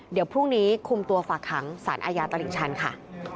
เดี๋ยวพรุ่งนี้คุมตัวฝากขังสารอาญาตลิ่งชันค่ะ